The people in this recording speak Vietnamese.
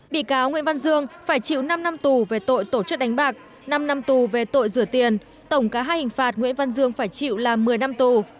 bị cáo nguyễn văn dương phải chịu năm năm tù về tội tổ chức đánh bạc năm năm tù về tội rửa tiền tổng cả hai hình phạt nguyễn văn dương phải chịu là một mươi năm tù